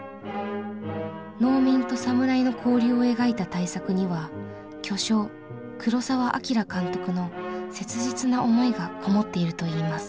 農民と侍の交流を描いた大作には巨匠黒澤明監督の切実な思いがこもっているといいます。